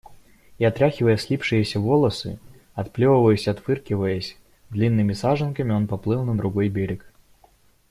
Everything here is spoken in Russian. И, отряхивая слипшиеся волосы, отплевываясь и отфыркиваясь, длинными саженками он поплыл на другой берег.